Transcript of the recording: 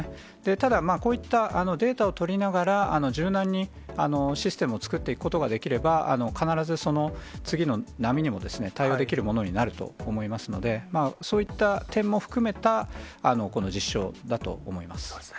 ただこういったデータを取りながら、柔軟にシステムを作っていくことができれば、必ずその次の波にも対応できるものになると思いますので、そういった点も含めた、そうですね。